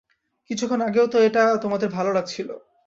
কিছুক্ষণ আগেও তো এটা তোমাদের ভালো লাগছিল।